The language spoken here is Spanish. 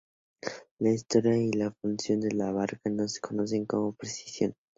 La historia y la función de la barca no se conocen con precisión.